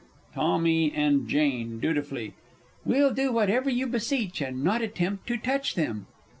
Tommy and Jane (dutifully). We'll do whatever you beseech, and not attempt to touch them!